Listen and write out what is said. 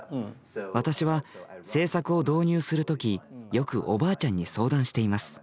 私は政策を導入する時よくおばあちゃんに相談しています。